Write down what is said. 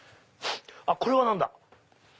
あっこれは何だ？